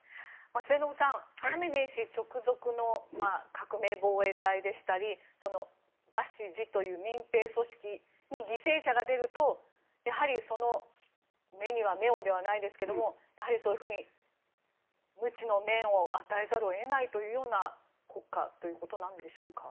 末延さん、ハメネイ師直属の革命防衛隊でしたりバシジという民兵組織に犠牲者が出るとやはり、その目には目をではないですがやはりそういうふうにムチの面を与えざるを得ないという国家ということなんでしょうか。